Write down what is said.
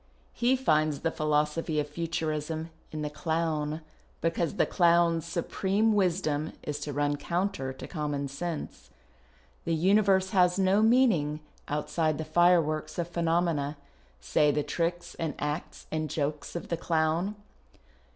lie finds the philosophy of Futurism in the clown, because the clown's supreme wisdom is to run coimtcr to common sense. " The universe has no meaning outside the fireworks of phenomena — say the tricks and acts and jokes of the clown.